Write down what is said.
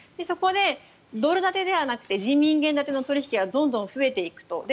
そこでドル建てではなくて人民元建ての取引がどんどん増えていくと。